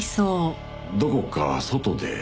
どこか外で。